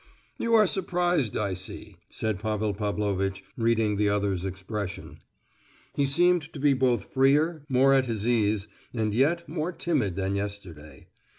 "You are surprised, I see!" said Pavel Pavlovitch, reading the other's expression. He seemed to be both freer, more at his ease, and yet more timid than yesterday.